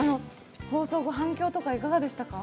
放送後、反響とかいかがでしたか？